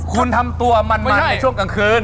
คุณทำตัวมันในช่วงกลางคืน